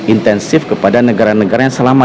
intensif kepada negara negara yang selama